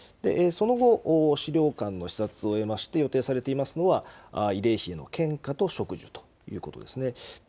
その後、資料館の視察を終えまして、予定されていますのは、慰霊碑への献花と植樹ということですね。